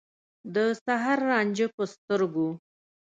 د سحر رانجه په سترګو